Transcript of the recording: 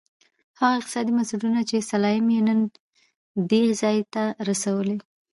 هغه اقتصادي بنسټونه چې سلایم یې نن دې ځای ته رسولی.